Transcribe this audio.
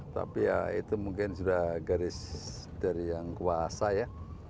tapi ya itu mungkin sudah garis dari yang kuasa ya